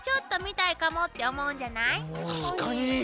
確かに！